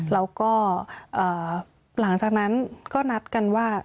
แล้วก็หลังจากนั้นก็นัดกันว่า